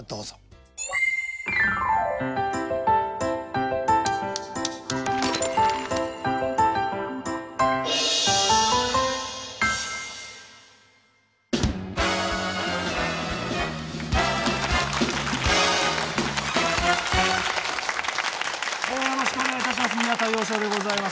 えよろしくお願いいたします。